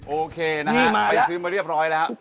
โอเคนะฮะไปซื้อมาเรียบร้อยแล้ว